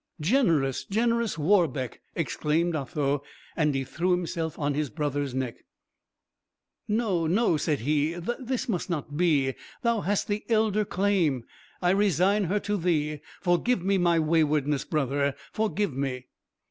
"Generous generous Warbeck!" exclaimed Otho, and he threw himself on his brother's neck. "No, no," said he, "this must not be; thou hast the elder claim I resign her to thee. Forgive me my waywardness, brother, forgive me!"